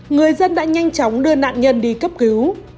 người dân đã nhanh chóng đưa nạn nhân đi cấp cứu